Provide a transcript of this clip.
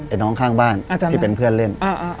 น้องข้างบ้านที่เป็นเพื่อนเล่น